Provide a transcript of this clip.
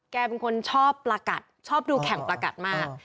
เป็นคนชอบประกัดชอบดูแข่งประกัดมาก